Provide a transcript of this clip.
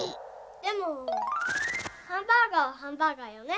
でもハンバーガーはハンバーガーよね？